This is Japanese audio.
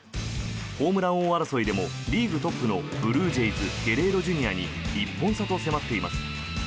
ホームラン王争いでもリーグトップのブルージェイズゲレーロＪｒ．に１本差と迫っています。